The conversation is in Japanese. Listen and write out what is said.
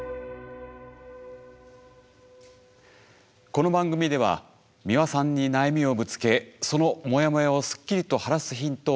この番組では美輪さんに悩みをぶつけそのモヤモヤをすっきりと晴らすヒントを頂きます。